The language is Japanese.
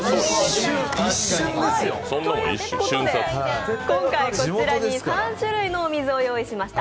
一瞬ですよ。ということで、今回こちらに３種類のお水を用意しました。